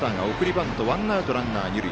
バントワンアウト、ランナー、二塁。